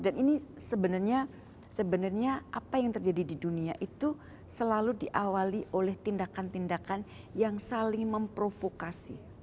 dan ini sebenarnya sebenarnya apa yang terjadi di dunia itu selalu diawali oleh tindakan tindakan yang saling memprovokasi